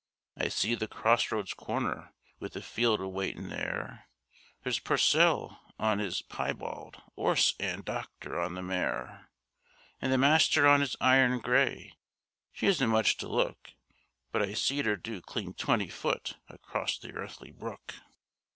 I see the crossroads corner, with the field awaitin' there, There's Purcell on 'is piebald 'orse, an' Doctor on the mare, And the Master on 'is iron grey; she isn't much to look, But I seed 'er do clean twenty foot across the 'eathly brook.